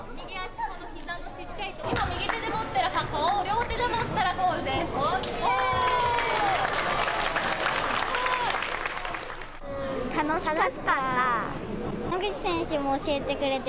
今、右手で持ってる箱を両手で持ったらゴールです。